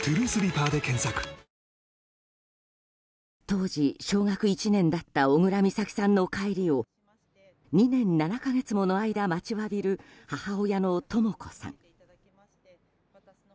当時、小学１年だった小倉美咲さんの帰りを２年７か月もの間、待ちわびる母親のとも子さん。